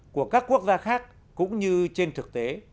của các quốc gia khác cũng như trên thực tế